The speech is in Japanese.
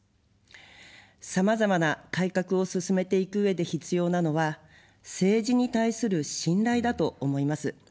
さまざまな改革を進めていくうえで必要なのは政治に対する信頼だと思います。